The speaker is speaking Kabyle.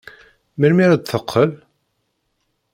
Melmi ara d-teqqel?